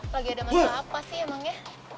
lagi ada masalah apa sih emangnya